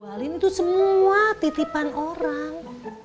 gualin tuh semua titipan orang